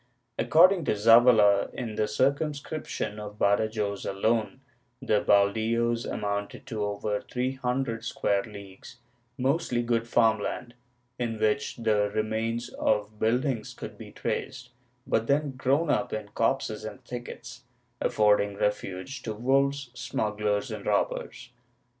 According to Zavala, in the circumscription of Badajoz alone, the haldios amounted to over three hundred square leagues, mostly good farm land, in which the remains of buildings could be traced, but then grown up in copses and thickets, affording refuge to wolves, smugglers and robbers.